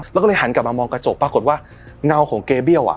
แล้วก็เลยหันกลับมามองกระจกปรากฏว่าเงาของเกเบี้ยวอ่ะ